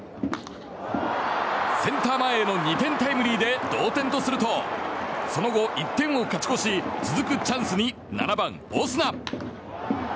センター前への２点タイムリーで同点とするとその後、１点を勝ち越し続くチャンスに７番、オスナ。